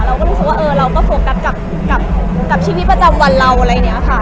เราก็รู้สึกว่าเราก็โฟกัสกับชีวิตประจำวันเราอะไรอย่างนี้ค่ะ